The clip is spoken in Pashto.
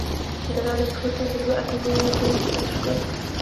د ردرفورډ تجربه اټومي نیوکلیس کشف کړ.